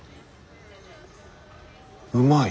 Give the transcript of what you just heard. うまい。